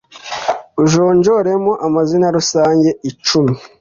ujonjoremo amazina rusange icumi